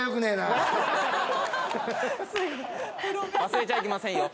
忘れちゃいけませんよ。